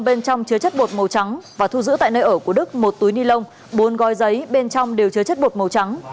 bên trong chứa chất bột màu trắng và thu giữ tại nơi ở của đức một túi ni lông bốn gói giấy bên trong đều chứa chất bột màu trắng